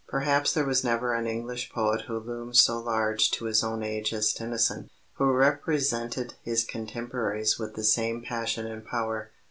Perhaps there was never an English poet who loomed so large to his own age as Tennyson who represented his contemporaries with the same passion and power.